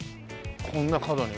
こんな角に。